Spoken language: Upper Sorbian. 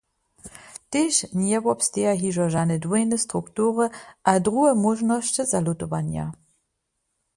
Tež njewobsteja hižo žane dwójne struktury abo druhe móžnosće zalutowanja.